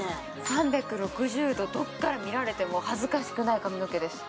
３６０度どっから見られても恥ずかしくない髪の毛です